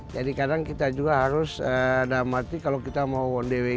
jadi kadang kita juga harus ada mati kalau kita mau on the way